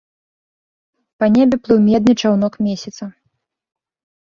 Па небе плыў медны чаўнок месяца.